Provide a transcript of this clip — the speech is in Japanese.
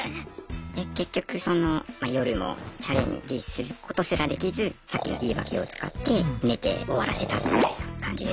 で結局その夜もチャレンジすることすらできずさっきの言い訳を使って寝て終わらせたみたいな感じでしたね。